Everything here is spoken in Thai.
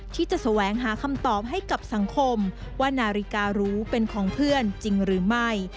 ที่จะแสวงหาคำตอบให้กับสังคมว่านาฬิการูเป็นของเพื่อนจริงหรือไม่